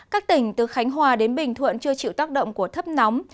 các tỉnh từ khánh hòa đến bình thuận chưa chịu tác động của thấp nóng